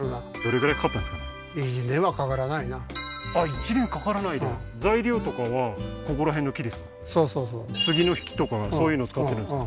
１年掛からないで杉の木とかそういうの使ってるんですか？